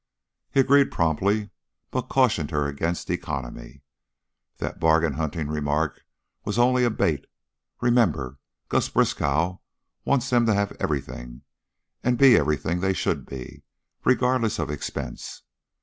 He agreed promptly, but cautioned her against economy. "That bargain hunting remark was only a bait. Remember, Gus Briskow wants them to have everything, and be everything they should be, regardless of expense.